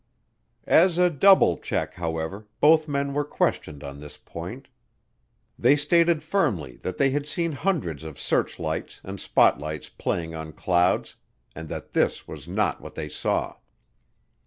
As a double check, however, both men were questioned on this point. They stated firmly that they had seen hundreds of searchlights and spotlights playing on clouds, and that this was not what they saw.